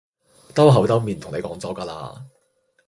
兜口兜面同你講咗㗎啦